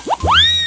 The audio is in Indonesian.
aduh aduh aduh